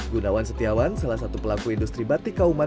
gunawan setiawan salah satu pelaku industri batik kauman